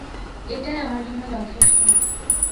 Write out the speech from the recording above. এটাই আমার জন্য যথেষ্ট।